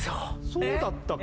そうだったっけ？